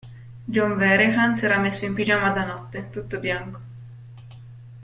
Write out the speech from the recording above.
John Vehrehan s'era messo in pigiama da notte, tutto bianco.